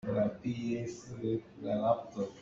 Ka remhmi an um pah.